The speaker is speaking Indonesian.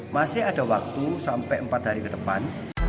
masih ada waktu sampai empat hari ke depan